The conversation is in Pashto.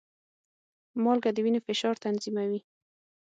مالګه د وینې فشار تنظیموي.